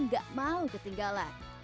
saya tidak mau ketinggalan